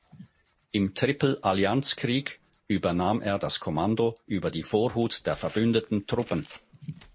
Im Tripel-Allianz-Krieg übernahm er das Kommando über die Vorhut der verbündeten Truppen.